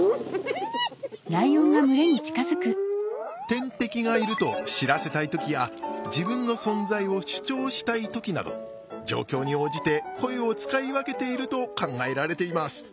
天敵がいると知らせたい時や自分の存在を主張したい時など状況に応じて声を使い分けていると考えられています。